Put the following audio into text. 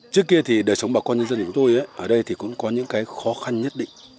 trước kia thì đời sống bà con nhân dân của chúng tôi ở đây thì cũng có những cái khó khăn nhất định